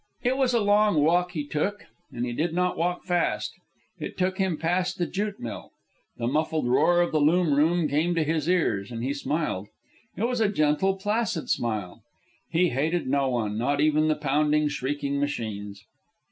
It was a long walk he took, and he did not walk fast. It took him past the jute mill. The muffled roar of the loom room came to his ears, and he smiled. It was a gentle, placid smile. He hated no one, not even the pounding, shrieking machines.